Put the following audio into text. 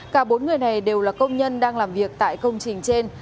cả bốn người này đều là công nhân đang làm việc tại công trình trên